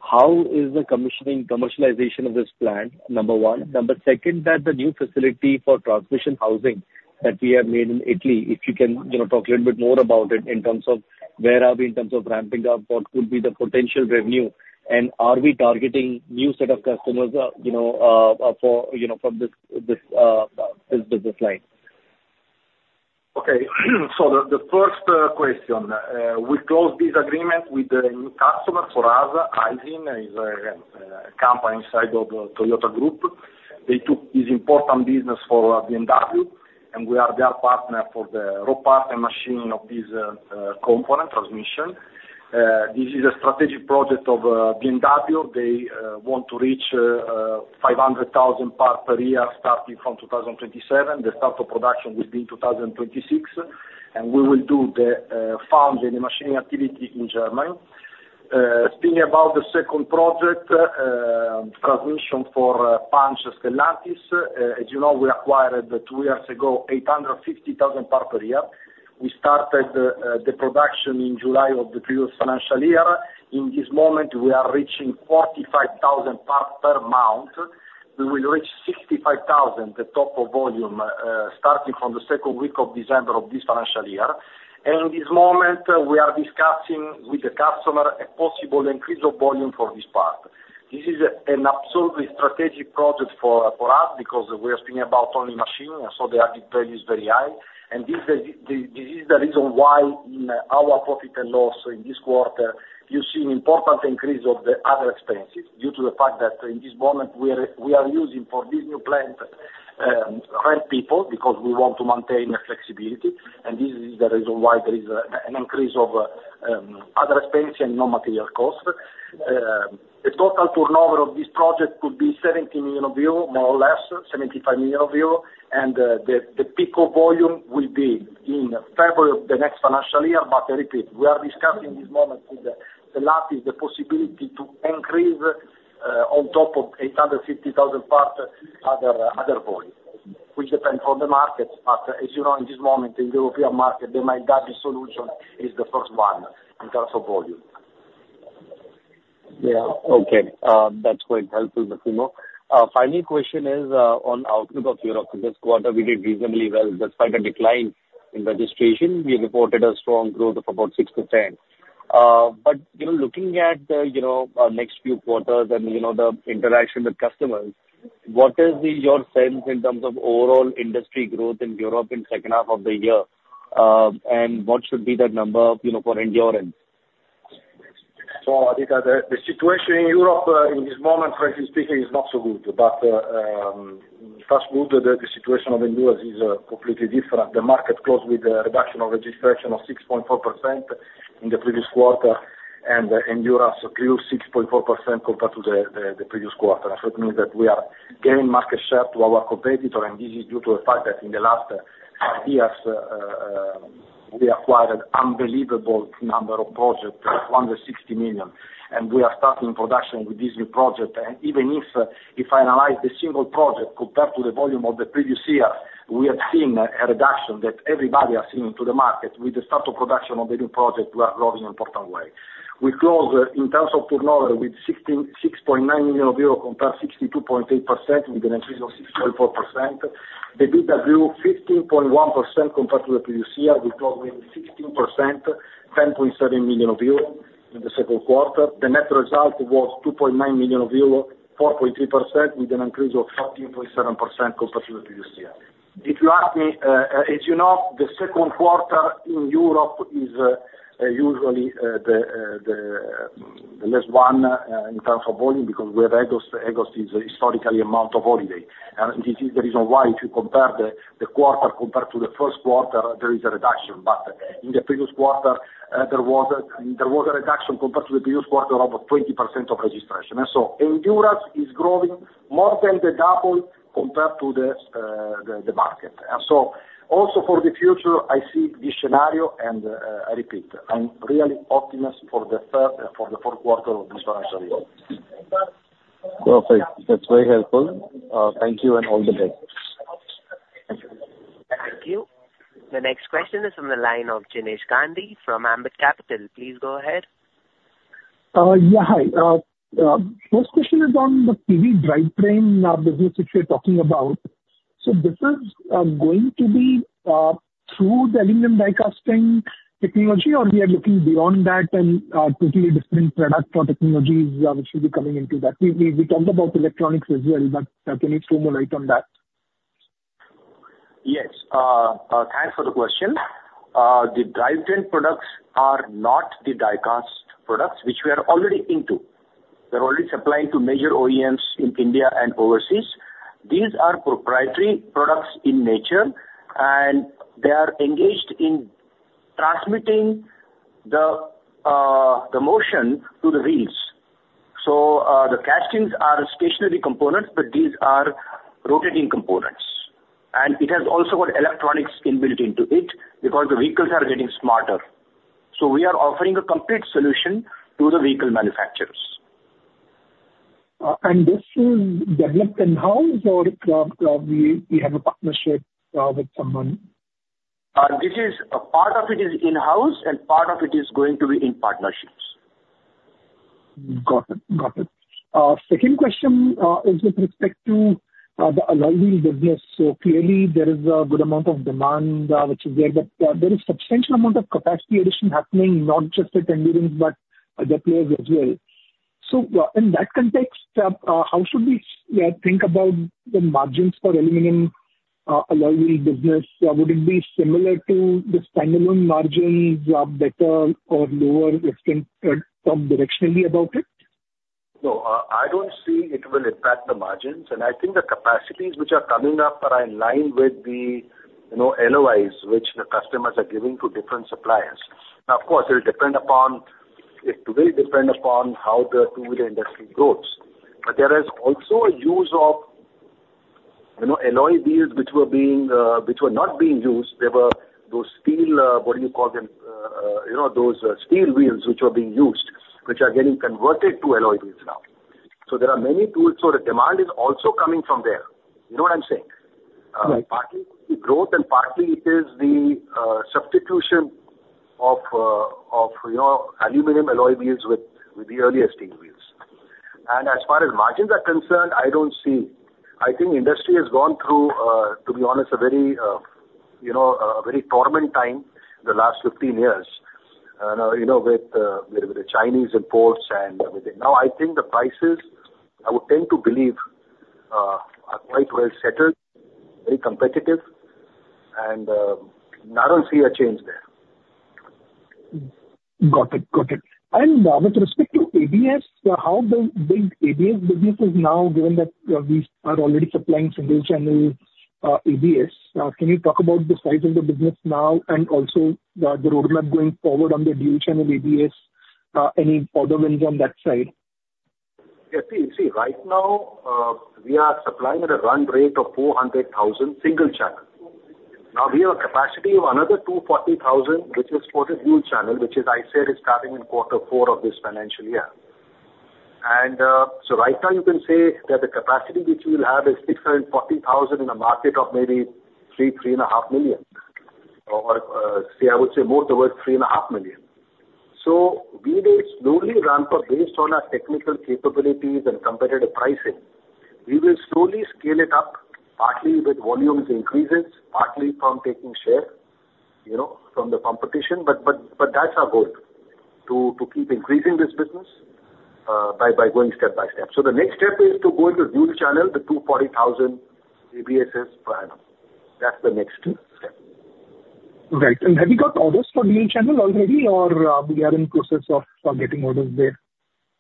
how is the commissioning, commercialization of this plant, number one? Number two, the new facility for transmission housing that we have made in Italy, if you can talk a little bit more about it in terms of where are we in terms of ramping up, what could be the potential revenue, and are we targeting new set of customers from this business line? Okay. So the first question, we closed this agreement with a new customer for us. Aisin is a company inside of the Toyota Group. They took this important business for BMW, and we are their partner for the rough casting and machining of this component, transmission. This is a strategic project of BMW. They want to reach 500,000 parts per year starting from 2027. The start of production will be in 2026, and we will do the foundry and machining activity in Germany. Speaking about the second project, transmission for Punch, Stellantis, as you know, we acquired two years ago, 850,000 parts per year. We started the production in July of the previous financial year. In this moment, we are reaching 45,000 parts per month. We will reach 65,000, the top of volume, starting from the second week of December of this financial year, and in this moment, we are discussing with the customer a possible increase of volume for this part. This is an absolutely strategic project for us because we are speaking about only machining, so the added value is very high. This is the reason why in our profit and loss in this quarter, you see an important increase of the other expenses due to the fact that in this moment, we are using for this new plant rent people because we want to maintain flexibility. This is the reason why there is an increase of other expenses and no material costs. The total turnover of this project could be 70 million euro, more or less, 75 million euro. The peak of volume will be in February of the next financial year. I repeat, we are discussing this moment with Stellantis the possibility to increase on top of 850,000 parts other volume, which depends on the market. As you know, in this moment, in the European market, the main budget solution is the first one in terms of volume. Yeah. Okay. That's quite helpful, Massimo. Final question is on outlook of Europe. This quarter, we did reasonably well despite a decline in registration. We reported a strong growth of about 6%. But looking at the next few quarters and the interaction with customers, what is your sense in terms of overall industry growth in Europe in the second half of the year? And what should be that number for Endurance? So Aditya, the situation in Europe in this moment, frankly speaking, is not so good. But fast forward, the situation of Endurance is completely different. The market closed with a reduction of registration of 6.4% in the previous quarter, and Endurance grew 6.4% compared to the previous quarter. It means that we are gaining market share to our competitor, and this is due to the fact that in the last five years, we acquired an unbelievable number of projects, 260 million. We are starting production with this new project. Even if I analyze the single project compared to the volume of the previous year, we have seen a reduction that everybody has seen into the market. With the start of production of the new project, we are growing in an important way. We closed in terms of turnover with 6.9 million euro compared to 62.8%, with an increase of 6.4%. The EBITDA grew 15.1% compared to the previous year. We closed with 16%, 10.7 million euro in the second quarter. The net result was 2.9 million euro, 4.3%, with an increase of 13.7% compared to the previous year. If you ask me, as you know, the second quarter in Europe is usually the lesser one in terms of volume because we have August. August is historically a month of holidays. And this is the reason why if you compare the quarter compared to the first quarter, there is a reduction. But in the previous quarter, there was a reduction compared to the previous quarter of about 20% of registration. And so Endurance is growing more than double compared to the market. And so also for the future, I see this scenario, and I repeat, I'm really optimistic for the fourth quarter of this financial year. Perfect. That's very helpful. Thank you and all the best. Thank you. The next question is on the line of Jinesh Gandhi from Ambit Capital. Please go ahead. Yeah. Hi. First question is on the PV drivetrain business which we're talking about. So this is going to be through the aluminum die-casting technology, or we are looking beyond that and totally different products or technologies which will be coming into that? We talked about electronics as well, but can you shed more light on that? Yes. Thanks for the question. The drivetrain products are not the die-cast products which we are already into. We are already supplying to major OEMs in India and overseas. These are proprietary products in nature, and they are engaged in transmitting the motion to the wheels. So the castings are stationary components, but these are rotating components. And it has also got electronics inbuilt into it because the vehicles are getting smarter. So we are offering a complete solution to the vehicle manufacturers. And this is developed in-house, or we have a partnership with someone? This is part of it is in-house, and part of it is going to be in partnerships. Got it. Got it. Second question is with respect to the aluminum business. So clearly, there is a good amount of demand which is there, but there is a substantial amount of capacity addition happening, not just at Endurance, but other players as well. So in that context, how should we think about the margins for aluminum alloy wheel business? Would it be similar to the standalone margins, better or lower directionally about it? No, I don't see it will impact the margins. And I think the capacities which are coming up are in line with the LOIs which the customers are giving to different suppliers. Now, of course, it will depend upon how the two-wheel industry grows. But there is also a use of alloy wheels which were not being used. There were those steel, what do you call them, those steel wheels which were being used, which are getting converted to alloy wheels now. So there are many tools, so the demand is also coming from there. You know what I'm saying? Partly it's the growth, and partly it is the substitution of aluminum alloy wheels with the earlier steel wheels. And as far as margins are concerned, I don't see. I think industry has gone through, to be honest, a very turbulent time the last 15 years with the Chinese imports and everything. Now, I think the prices, I would tend to believe, are quite well settled, very competitive, and I don't see a change there. Got it. Got it. With respect to ABS, how big is the ABS business now, given that we are already supplying single-channel ABS? Can you talk about the size of the business now and also the roadmap going forward on the dual-channel ABS? Any other wins on that side? Yeah. See, right now, we are supplying at a run rate of 400,000 single-channel. Now, we have a capacity of another 240,000, which is for the dual-channel, which, as I said, is starting in quarter four of this financial year. So right now, you can say that the capacity which we will have is 640,000 in a market of maybe 3-3.5 million. Or see, I would say more towards 3.5 million. So we will slowly ramp up based on our technical capabilities and competitive pricing. We will slowly scale it up, partly with volume increases, partly from taking share from the competition. But that's our goal, to keep increasing this business by going step by step. So the next step is to go into dual-channel, the 240,000 ABSs per annum. That's the next step. Right. And have you got orders for dual-channel already, or we are in the process of getting orders there?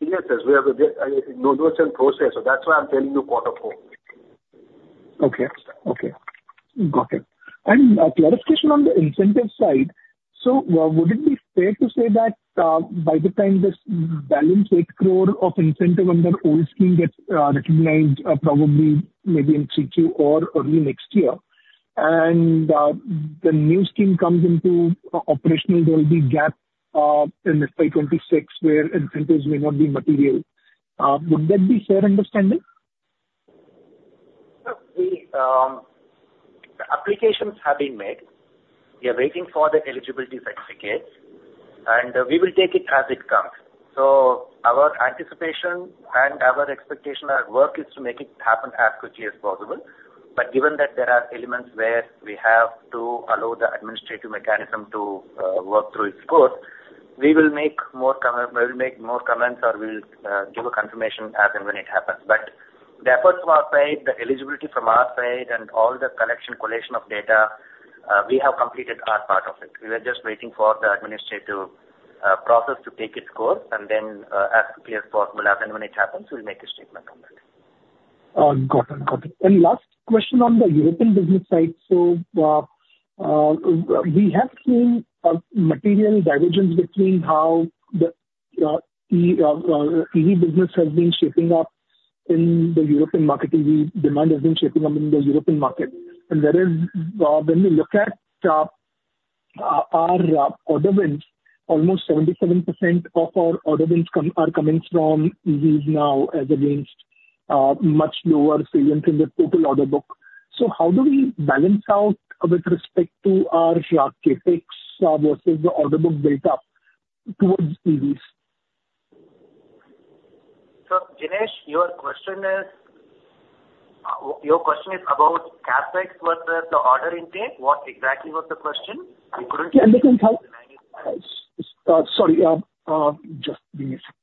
Yes, yes. We have a dual-channel process. So that's why I'm telling you quarter four. Okay. Okay. Got it. And a clarification on the incentive side. So would it be fair to say that by the time this balance 8 crore of incentive under old scheme gets recognized, probably maybe in Q2 or early next year, and the new scheme comes into operational, there will be a gap in FY 2026 where incentives may not be material? Would that be fair understanding? The applications have been made. We are waiting for the eligibility certificates, and we will take it as it comes. So our anticipation and our expectation at work is to make it happen as quickly as possible. But given that there are elements where we have to allow the administrative mechanism to work through its course, we will make more comments or we'll give a confirmation as and when it happens. But the efforts from our side, the eligibility from our side, and all the collection collation of data, we have completed our part of it. We are just waiting for the administrative process to take its course, and then as quickly as possible, as and when it happens, we'll make a statement on that. Got it. Got it. And last question on the European business side. We have seen material divergence between how the EV business has been shaping up in the European market, EV demand has been shaping up in the European market. And when we look at our order wins, almost 77% of our order wins are coming from EVs now as against much lower salience in the total order book. So how do we balance out with respect to our CapEx versus the order book built up towards EVs? So Jinesh, your question is about CapEx versus the order intake? What exactly was the question? We couldn't hear you. Sorry. Just give me a second.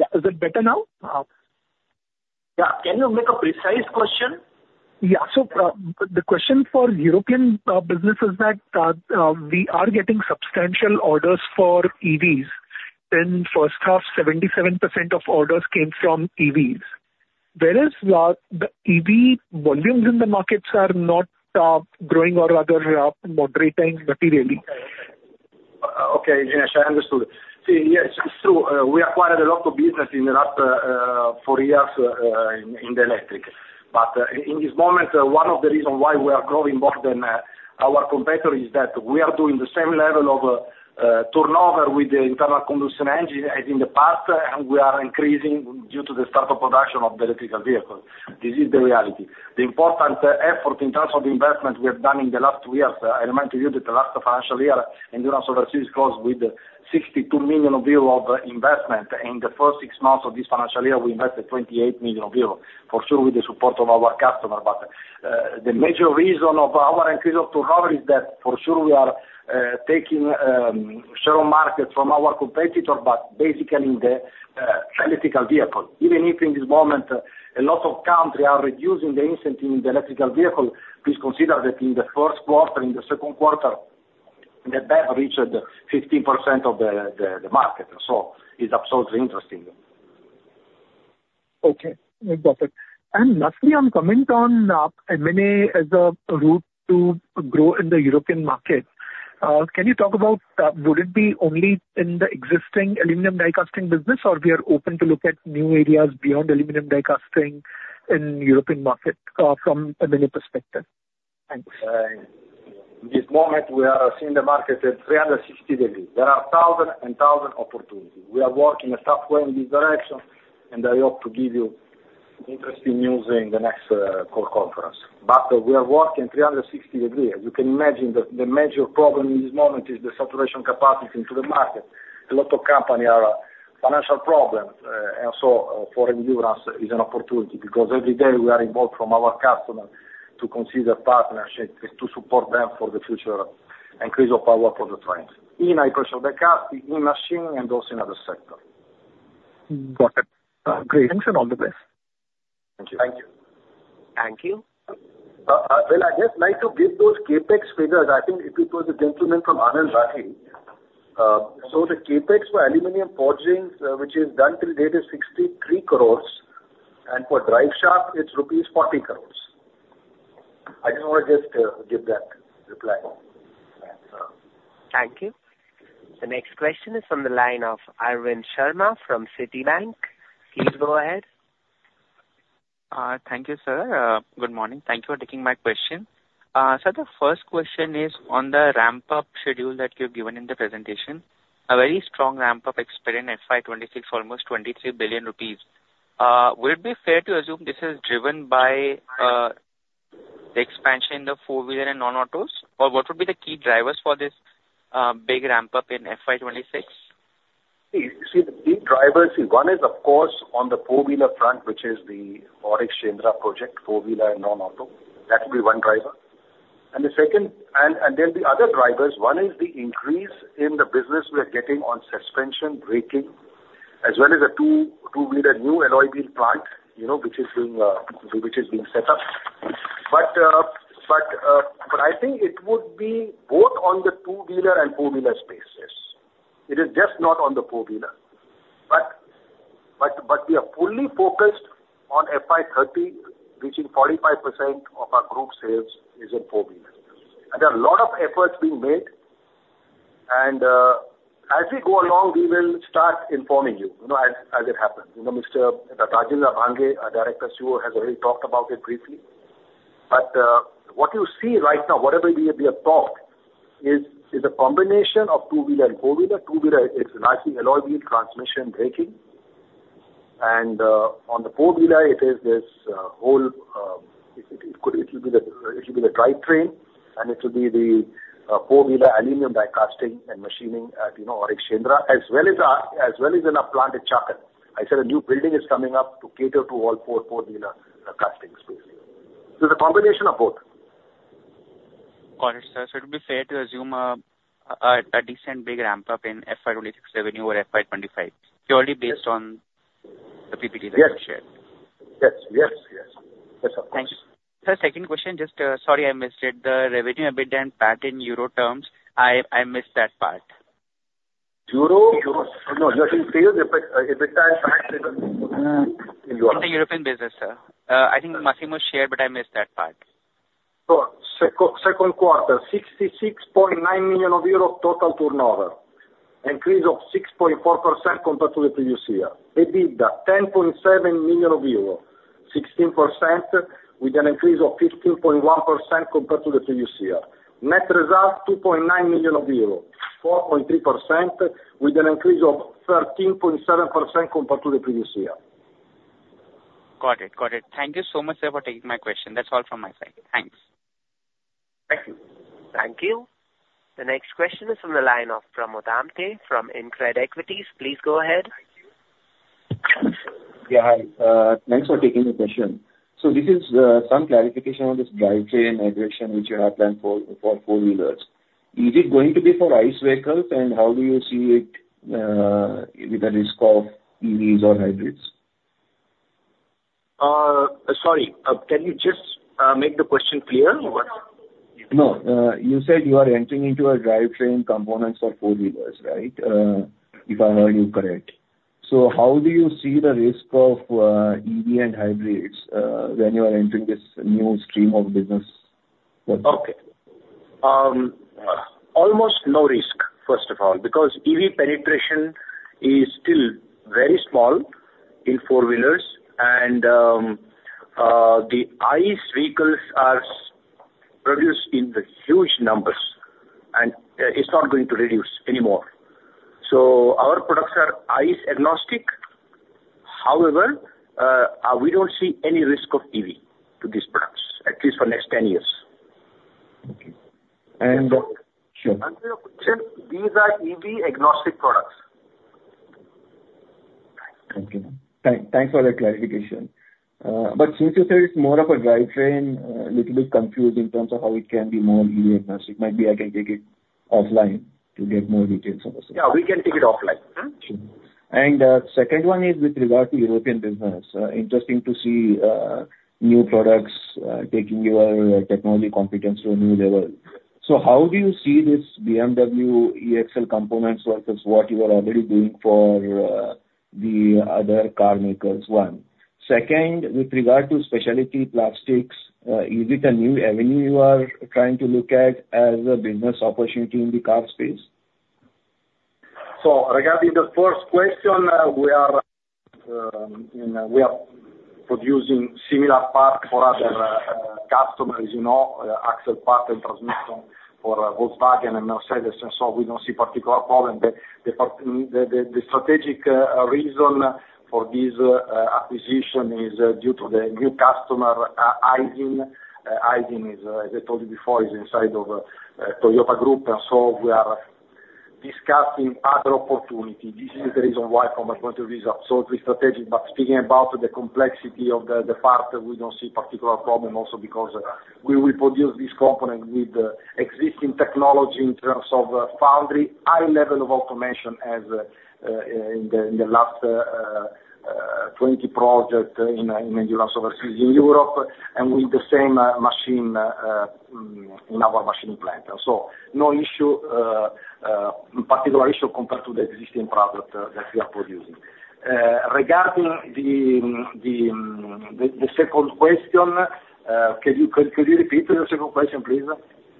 Yeah. Is it better now? Yeah. Can you make a precise question? Yeah. So the question for European business is that we are getting substantial orders for EVs. In first half, 77% of orders came from EVs. Whereas the EV volumes in the markets are not growing or rather moderating materially. Okay. Ganesh, I understood. See, yes. So we acquired a lot of business in the last four years in the electric. But in this moment, one of the reasons why we are growing more than our competitor is that we are doing the same level of turnover with the internal combustion engine as in the past, and we are increasing due to the startup production of the electrical vehicles. This is the reality. The important effort in terms of the investment we have done in the last two years, I remind you that the last financial year, Endurance Overseas closed with 62 million euro of investment. And in the first six months of this financial year, we invested 28 million euro, for sure, with the support of our customer. But the major reason of our increase of turnover is that, for sure, we are taking share of market from our competitor, but basically in the electric vehicle. Even if in this moment, a lot of countries are reducing the incentive in the electric vehicle, please consider that in the first quarter, in the second quarter, they reached 15% of the market. So it's absolutely interesting. Okay. Got it. And lastly, on comment on M&A as a route to grow in the European market, can you talk about would it be only in the existing aluminum die-casting business, or we are open to look at new areas beyond aluminum die-casting in the European market from a M&A perspective? Thanks. In this moment, we are seeing the market at 360 degrees. There are thousand and thousand opportunities. We are working in a soft way in this direction, and I hope to give you interesting news in the next core conference, but we are working 360 degrees. As you can imagine, the major problem in this moment is the saturation capacity into the market. A lot of companies are financial problems, and so for Endurance is an opportunity because every day we are involved from our customer to consider partnerships to support them for the future increase of our product lines. In high-pressure die-casting, in machining, and also in other sectors. Got it. Great. Thanks and all the best. Thank you. Thank you. Thank you. Well, I just like to give those CapEx figures. I think it was a gentleman from Anand Rathi. So the CapEx for aluminum forging, which is done to date is 63 crores, and for drive shaft, it's rupees 40 crores. I just want to just give that reply. Thank you. The next question is from the line of Arvind Sharma from Citibank. Please go ahead. Thank you, sir. Good morning. Thank you for taking my question. Sir, the first question is on the ramp-up schedule that you've given in the presentation. A very strong ramp-up expected in FY 2026 for almost 23 billion rupees. Would it be fair to assume this is driven by the expansion in the four-wheeler and non-autos, or what would be the key drivers for this big ramp-up in FY 2026? See, the key drivers, one is, of course, on the four-wheeler front, which is the AURIC-Shendra project, four-wheeler and non-auto. That would be one driver. And the second, and then the other drivers, one is the increase in the business we are getting on suspension, braking, as well as a two-wheeler new alloy wheel plant which is being set up. But I think it would be both on the two-wheeler and four-wheeler space, yes. It is just not on the four-wheeler. But we are fully focused on FY 2030, reaching 45% of our group sales is in four-wheelers. And there are a lot of efforts being made. And as we go along, we will start informing you as it happens. Mr. Rajendra Abhange, our Director and COO, has already talked about it briefly. But what you see right now, whatever we have talked, is a combination of two-wheeler and four-wheeler. Two-wheeler, it's largely alloy wheel transmission braking. On the four-wheeler, it is this whole. It will be the drivetrain, and it will be the four-wheeler aluminum die-casting and machining at AURIC-Shendra, as well as in a plant at Chakan. I said a new building is coming up to cater to all four-wheeler casting space. So it's a combination of both. Got it, sir. So it would be fair to assume a decent big ramp-up in FY 2026 revenue or FY 2025, purely based on the PPT that you shared. Yes. Yes. Yes. Yes, sir. Thank you. Sir, second question, just sorry I missed it. The revenue had been done back in euro terms. I missed that part. Euro? No, you're saying sales if it's done back in euro. It's the European business, sir. I think Massimo shared, but I missed that part. Sure Second quarter, 66.9 million euro total turnover, increase of 6.4% compared to the previous year. EBITDA, 10.7 million euro, 16%, with an increase of 15.1% compared to the previous year. Net result, 2.9 million euro, 4.3%, with an increase of 13.7% compared to the previous year. Got it. Got it. Thank you so much, sir, for taking my question. That's all from my side. Thanks. Thank you. Thank you. The next question is from the line of Pramod Amte from InCred Equities. Please go ahead. Yeah. Hi. Thanks for taking the question. So this is some clarification on this drive train migration which you have planned for four-wheelers. Is it going to be for ICE vehicles, and how do you see it with the risk of EVs or hybrids? Sorry. Can you just make the question clear? No. You said you are entering into a drive train components for four-wheelers, right, if I heard you correctly? So how do you see the risk of EV and hybrids when you are entering this new stream of business? Okay. Almost no risk, first of all, because EV penetration is still very small in four-wheelers, and the ICE vehicles are produced in huge numbers, and it's not going to reduce anymore. So our products are ICE-agnostic. However, we don't see any risk of EV to these products, at least for the next 10 years. Okay. Sure. These are EV-agnostic products. Thank you. Thanks for the clarification. But since you said it's more of a drive train, a little bit confusing in terms of how it can be more EV-agnostic, maybe I can take it offline to get more details on the system. Yeah. We can take it offline. Sure. The second one is with regard to European business. Interesting to see new products taking your technology competence to a new level. So how do you see this BMW axle components versus what you are already doing for the other car makers? One. Second, with regard to specialty plastics, is it a new avenue you are trying to look at as a business opportunity in the car space? So regarding the first question, we are producing similar parts for other customers, axle part and transmission for Volkswagen and Mercedes, and so we don't see particular problem. The strategic reason for this acquisition is due to the new customer, Aisin. Aisin, as I told you before, is inside of Toyota Group, and so we are discussing other opportunities. This is the reason why, from my point of view, it's absolutely strategic. But speaking about the complexity of the part, we don't see particular problem also because we will produce this component with existing technology in terms of foundry, high level of automation as in the last 20 projects in Endurance Overseas in Europe, and with the same machine in our machining plant. So no issue, particular issue compared to the existing product that we are producing. Regarding the second question, could you repeat the second question, please?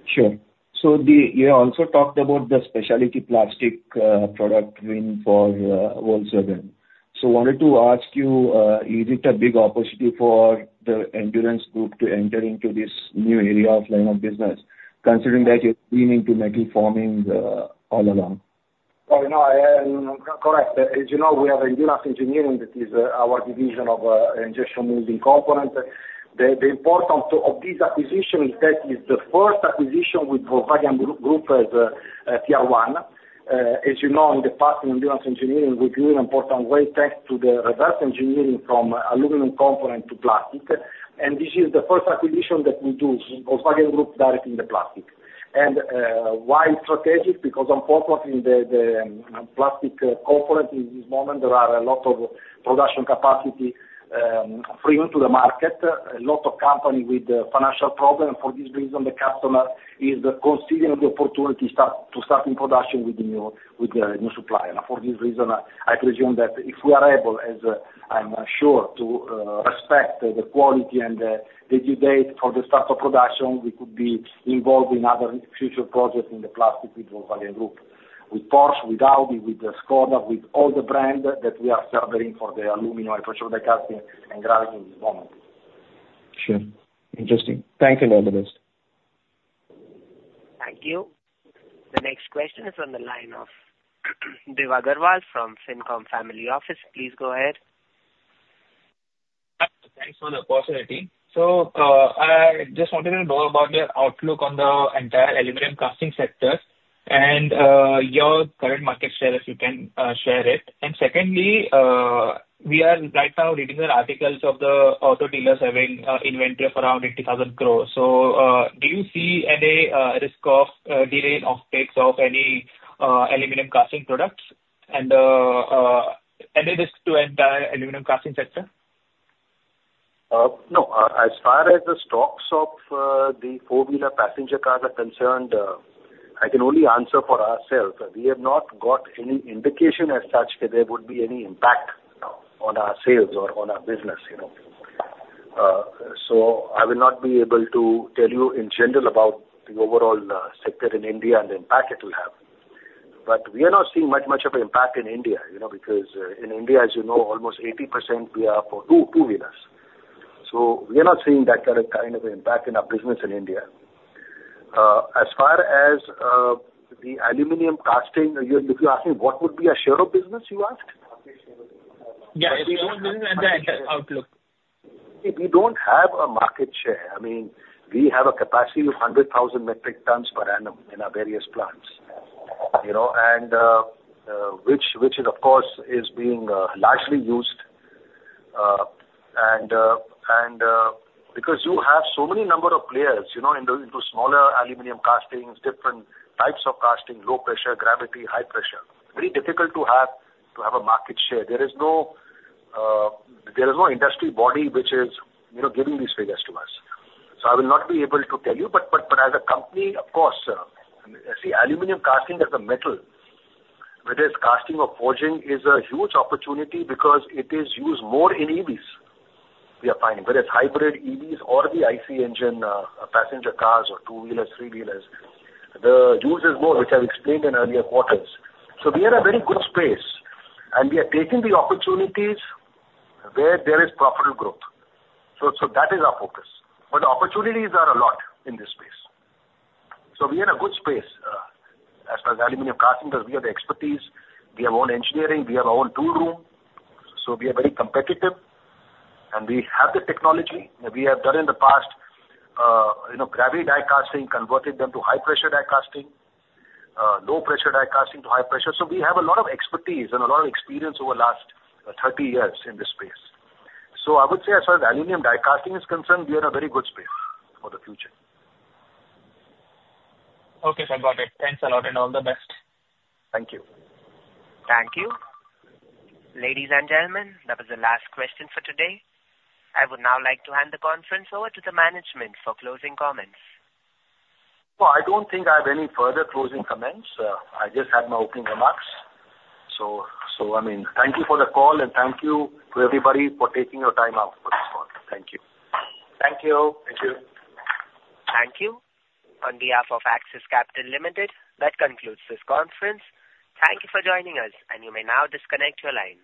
Sure. So you also talked about the specialty plastic product win for Volkswagen. So I wanted to ask you, is it a big opportunity for the Endurance group to enter into this new area of line of business, considering that you've been into metal forming all along? Correct. As you know, we have Endurance Engineering that is our division of injection molding components. The importance of this acquisition is that it's the first acquisition with Volkswagen Group as Tier 1. As you know, in the past, in Endurance Engineering, we grew in an important way thanks to the reverse engineering from aluminum component to plastic. And this is the first acquisition that we do, Volkswagen Group directly in the plastic. And why it's strategic? Because unfortunately, the plastic component in this moment, there are a lot of production capacity free into the market, a lot of companies with financial problems. For this reason, the customer is considering the opportunity to start in production with the new supplier. For this reason, I presume that if we are able, as I'm sure, to respect the quality and the due date for the start of production, we could be involved in other future projects in the plastic with Volkswagen Group, with Porsche, with Audi, with Skoda, with all the brands that we are serving for the aluminum high-pressure die-casting and gravity in this moment. Sure. Interesting. Thank you, Massimo. Thank you. The next question is from the line of Divy Agarwal from Ficom Family Office. Please go ahead. Thanks for the opportunity. So I just wanted to know about the outlook on the entire aluminum casting sector and your current market share, if you can share it. And secondly, we are right now reading the articles of the auto dealers having inventory of around 80,000 crore. So do you see any risk of delay in offtake of any aluminum casting products and any risk to the entire aluminum casting sector? No. As far as the stocks of the four-wheeler passenger cars are concerned, I can only answer for ourselves. We have not got any indication as such that there would be any impact on our sales or on our business. So I will not be able to tell you in general about the overall sector in India and the impact it will have. But we are not seeing much, much of an impact in India because in India, as you know, almost 80% we are for two-wheelers. So we are not seeing that kind of impact in our business in India. As far as the aluminum casting, if you ask me what would be our share of business, you asked? Yes. We don't have that outlook. We don't have a market share. I mean, we have a capacity of 100,000 metric tons per annum in our various plants, which is, of course, being largely used, and because you have so many number of players into smaller aluminum castings, different types of casting, low pressure, gravity, high pressure, it's very difficult to have a market share. There is no industry body which is giving these figures to us. So I will not be able to tell you, but as a company, of course, see, aluminum casting as a metal, whether it's casting or forging, is a huge opportunity because it is used more in EVs. We are finding whether it's hybrid EVs or the ICE passenger cars or two-wheelers, three-wheelers. The use is more, which I've explained in earlier quarters. So we are in a very good space, and we are taking the opportunities where there is profitable growth. So that is our focus. But the opportunities are a lot in this space. So we are in a good space as far as aluminum casting because we have the expertise. We have our own engineering. We have our own tool room. So we are very competitive, and we have the technology. We have done in the past gravity die-casting, converted them to high-pressure die-casting, low-pressure die-casting to high-pressure. So we have a lot of expertise and a lot of experience over the last 30 years in this space. So I would say as far as aluminum die-casting is concerned, we are in a very good space for the future. Okay. I got it. Thanks a lot, and all the best. Thank you. Thank you. Ladies and gentlemen, that was the last question for today. I would now like to hand the conference over to the management for closing comments. Well, I don't think I have any further closing comments. I just had my opening remarks. So I mean, thank you for the call, and thank you to everybody for taking your time out for this call. Thank you. Thank you. Thank you. Thank you. On behalf of Axis Capital Limited, that concludes this conference. Thank you for joining us, and you may now disconnect your lines.